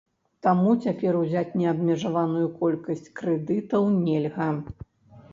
Таму цяпер узяць неабмежаваную колькасць крэдытаў нельга.